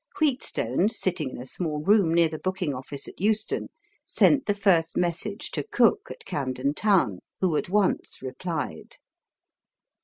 Wheatstone, sitting in a small room near the booking office at Euston, sent the first message to Cooke at Camden Town, who at once replied.